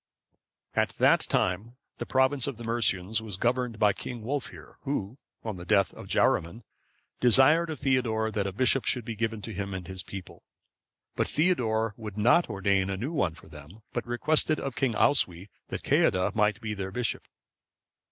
] At that time, the province of the Mercians was governed by King Wulfhere, who, on the death of Jaruman,(543) desired of Theodore that a bishop should be given to him and his people; but Theodore would not ordain a new one for them, but requested of King Oswy that Ceadda might be their bishop.